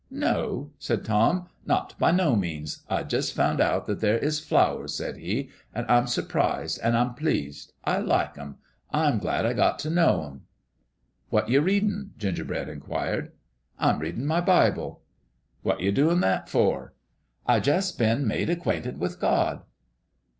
"No," said Tom; "not by no means. I jus' found out that there is flowers," said he ;" an' I'm s'prised, an' I'm pleased. I like 'em : I'm glad I got t' know 'em." " What you readin' ?" Gingerbread inquired. "I'm readin' my Bible." "What you doin' that for?" " I jus' been made acquainted with God."